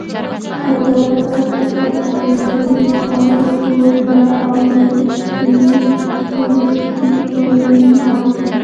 يادونه دغه کتاب د يو شمېر مقالو ټولګه او د لېف تولستوري د رومان.